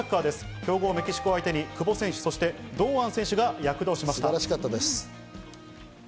強豪メキシコ相手に久保選手、そして堂安選手が躍動しました。